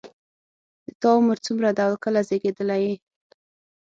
د تا عمر څومره ده او کله زیږیدلی یې